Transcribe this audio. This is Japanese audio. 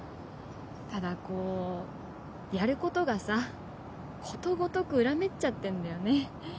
ただこうやることがさことごとく裏目っちゃってんだよね。